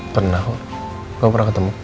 pernah kok gue pernah ketemu